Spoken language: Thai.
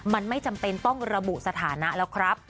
มันไม่จำเป็นต้องระบุสถานะแล้วครับ